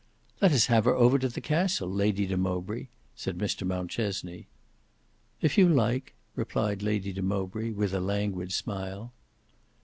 "Let us have her over to the Castle, Lady de Mowbray," said Mr Mountchesney. "If you like," replied Lady de Mowbray, with a languid smile.